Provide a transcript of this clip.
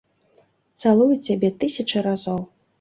Цалую цябе тысячы разоў.